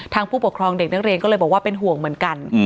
ผู้ปกครองเด็กนักเรียนก็เลยบอกว่าเป็นห่วงเหมือนกัน